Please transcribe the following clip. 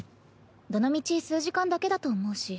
どのみち数時間だけだと思うし。